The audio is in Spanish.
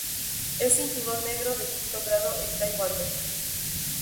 Es cinturón negro de quinto grado en taekwondo.